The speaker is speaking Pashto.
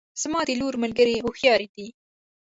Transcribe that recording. زما د لور ملګرې هوښیارې دي